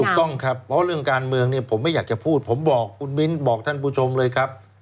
ถูกต้องครับเพราะเรื่องการเมืองเนี่ยผมไม่อยากจะพูดผมบอกคุณมิ้นบอกท่านผู้ชมเลยครับ